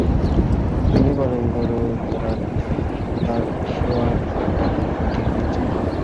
তিনি বললেন, গরু মারা যাওয়ায় তাঁর সোয়া লাখ টাকার ক্ষতি হয়েছে।